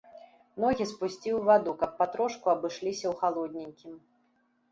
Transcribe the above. Ногі спусціў у ваду, каб патрошку абышліся ў халодненькім.